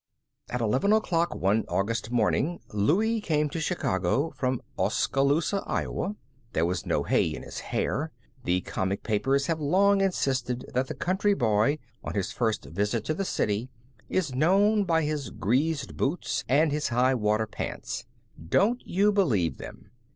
At eleven o'clock one August morning, Louie came to Chicago from Oskaloosa, Iowa. There was no hay in his hair. The comic papers have long insisted that the country boy, on his first visit to the city, is known by his greased boots and his high water pants. Don't you believe them.